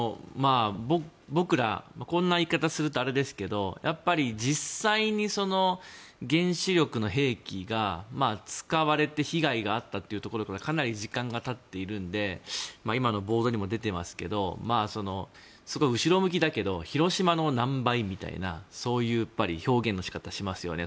僕らこんな言い方するとあれですけどやっぱり実際に原子力の兵器が使われて被害があったというところからかなり時間がたっているので今のボードにも出ていますけどすごい後ろ向きだけど広島の何倍みたいなそういう表現の仕方をしますよね。